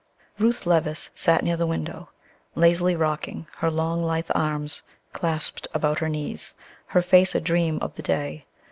Ruth Levice sat near the window, lazily rocking, her long lithe arms clasped about her knees, her face a dream of the day.